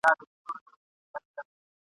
هره ورځ یې شل او دېرش ورنه پلورلې !.